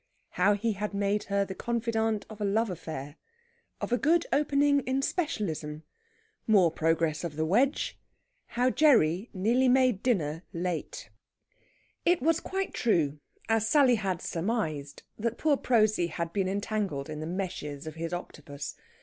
HOW HE HAD MADE HER THE CONFIDANTE OF A LOVE AFFAIR. OF A GOOD OPENING IN SPECIALISM. MORE PROGRESS OF THE WEDGE. HOW GERRY NEARLY MADE DINNER LATE It was quite true, as Sally had surmised, that poor Prosy had been entangled in the meshes of his Octopus.